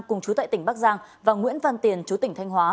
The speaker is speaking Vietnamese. cùng chú tại tỉnh bắc giang và nguyễn văn tiền chú tỉnh thanh hóa